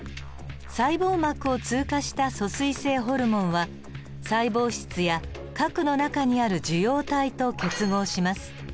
細胞膜を通過した疎水性ホルモンは細胞質や核の中にある受容体と結合します。